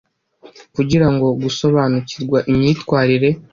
kugira ngo gusobanukirwa imyitwarire